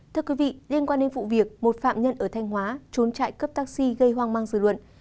thưa quý vị liên quan đến vụ việc một phạm nhân ở thanh hóa trốn trại cấp taxi gây hoang mang dư luận